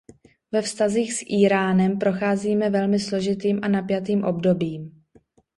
Ve vztazích s Íránem procházíme velmi složitým a napjatým obdobím.